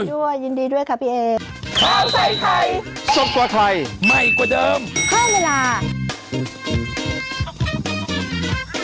ถูกต้องอ่าฮะ